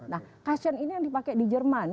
nah passion ini yang dipakai di jerman